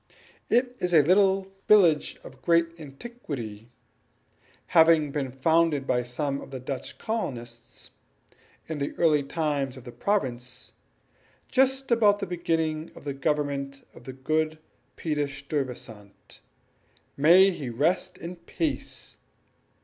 It is a little village of great antiquity, having been founded by some of the Dutch colonists in the early time of the province, just about the beginning of the government of the good Peter Stuyvesant (may he rest in peace!)